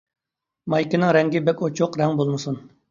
مايكىنىڭ رەڭگى بەك ئوچۇق رەڭ بولمىسۇن.